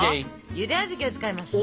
ゆで小豆を使います。